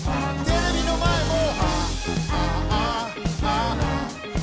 テレビの前も。